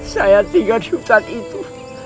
saya tinggal di hutan itu